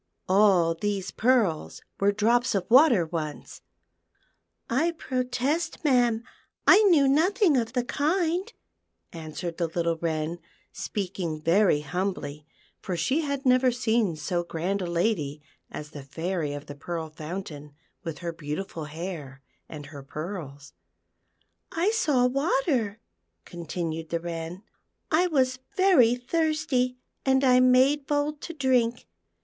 All these pearls were drops of water once." " I protest, ma'am, I knew nothing of the kind," answered the little Wren, speaking very humbly, for she had never seen so grand a lady as the Fairy of the Pearl Fountain, with her beautiful hair and her pearls; " I saw water," continued the Wren, *' I was very thirsty, and I made bold to drink.